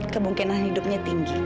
kemungkinan hidupnya tinggi